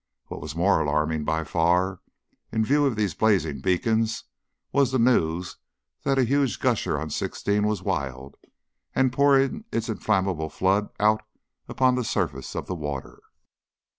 What was more alarming by far, in view of these blazing beacons, was the news that a huge gusher on sixteen was wild and pouring its inflammable flood out upon the surface of the water.